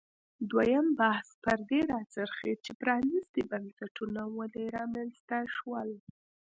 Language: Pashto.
دویم بحث پر دې راڅرخي چې پرانیستي بنسټونه ولې رامنځته شول.